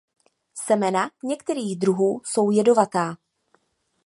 Semena některých druhů jsou jedovatá.